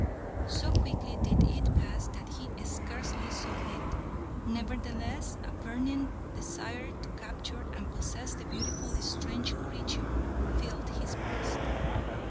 So quickly did it pass that he scarcely saw it; nevertheless a burning desire to capture and possess the beautiful strange creature filled his breast.